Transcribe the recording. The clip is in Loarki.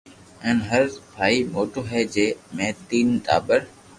ھين ھر ڀاتي موٽو ھي جي ۾ تين صرف ٽاٻر